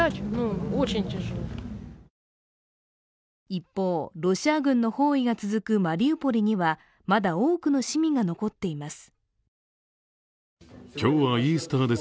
一方、ロシア軍の包囲が続くマリウポリにはまだ多くの市民が残っています。